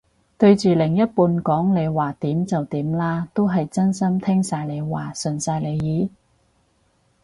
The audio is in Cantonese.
對住另一半講你話點就點啦，都係真心聽晒佢話順晒佢意？